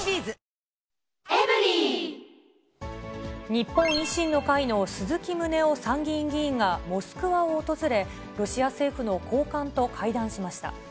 日本維新の会の鈴木宗男参議院議員がモスクワを訪れ、ロシア政府の高官と会談しました。